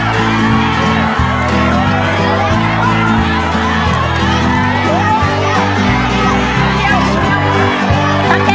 ตัดแก้วเร็วตัดแก้วมัก